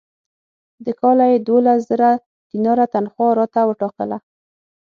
د کاله یې دوولس زره دیناره تنخوا راته وټاکله.